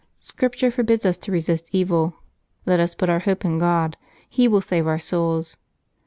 Scripture forbids us to resist evil. Let us put our hope in God : He will save our souls."